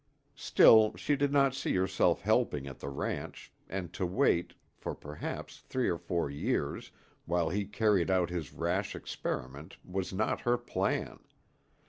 Still she did not see herself helping at the ranch and to wait, for perhaps three or four years, while he carried out his rash experiment was not her plan.